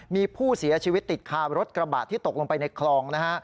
มีผู้เสียชีวิตติดคารถกระบะที่ตกลงไปในคลองนะฮะ